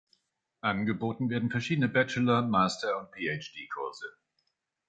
Angeboten werden verschiedene Bachelor-, Master- und PhD-Kurse.